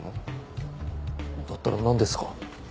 だったらなんですか。